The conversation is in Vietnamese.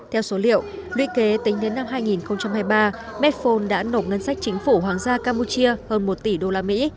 theo số liệu luy kế tính đến năm hai nghìn hai mươi ba medphone đã nộp ngân sách chính phủ hoàng gia campuchia hơn một tỷ usd